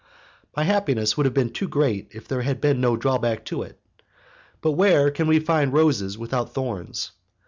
My happiness would have been too great if there had been no drawback to it. But where can we find roses without thorns?